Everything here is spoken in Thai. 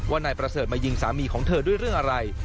นายประเสริฐมายิงสามีของเธอด้วยเรื่องอะไร